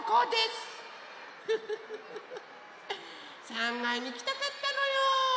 ３がいにきたかったのよ！